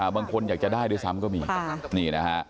บางคนอยากจะได้ด้วยซ้ำก็มี